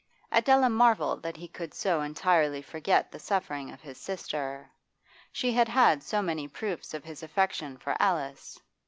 Adela marvelled that he could so entirely forget the sufferings of his sister; she had had so many proofs of his affection for Alice.